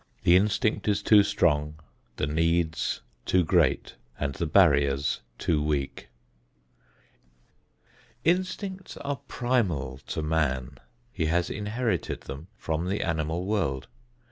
The instinct is too strong, the needs too great, and the barriers too weak. Instincts are primal to man. He has inherited them from the animal world.